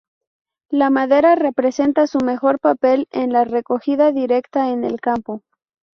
La madera representa su mejor papel en la recogida directa en el campo.